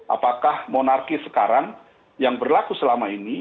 apakah monarki sekarang yang berlaku selama ini